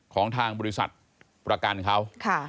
ของทางบริษัทประกันเขา